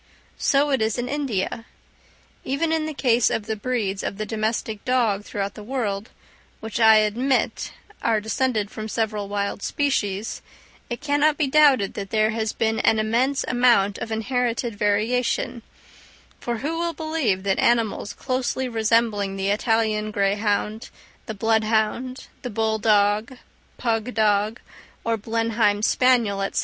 So it is in India. Even in the case of the breeds of the domestic dog throughout the world, which I admit are descended from several wild species, it cannot be doubted that there has been an immense amount of inherited variation; for who will believe that animals closely resembling the Italian greyhound, the bloodhound, the bull dog, pug dog, or Blenheim spaniel, &c.